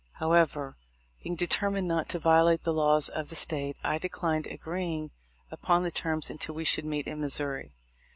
However, being determined not to violate the laws of the State, I declined agreeing upon the terms until we should meet in Missouri.